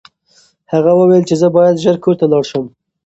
هغه وویل چې زه باید ژر کور ته لاړ شم.